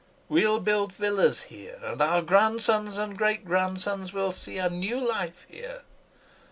We'll build villas here, and our grandsons and great grandsons will see a new life here....